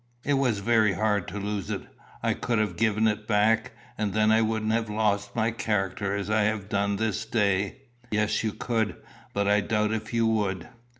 "It was very hard to lose it. I could have given it back. And then I wouldn't have lost my character as I have done this day." "Yes, you could; but I doubt if you would."